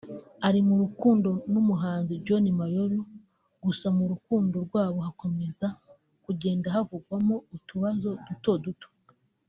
ari mu rukundo n’umuhanzi John Mayor gusa mu rukundo rwabo hakomeza kugenda havukamo utubazo duto duto